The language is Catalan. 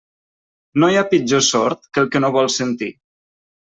No hi ha pitjor sord que el que no vol sentir.